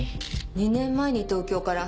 ２年前に東京から。